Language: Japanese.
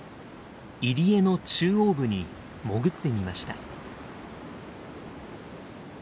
入り江の中央部に潜ってみました。